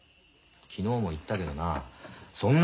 昨日も言ったけどなそんな気はないよ。